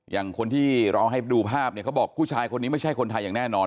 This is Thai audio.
อย่างคนที่เราให้ดูภาพเนี่ยเขาบอกผู้ชายคนนี้ไม่ใช่คนไทยอย่างแน่นอน